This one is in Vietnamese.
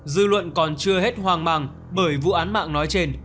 dư luận còn chưa hết hoàng mạng bởi vụ án mạng nói trên